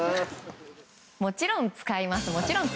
もちろん使いました。